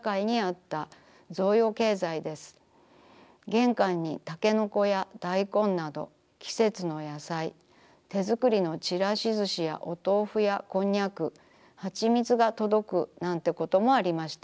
玄関にたけのこや大根など季節の野菜手作りのちらし寿司やおとうふやこんにゃくはちみつが届くなんてこともありました。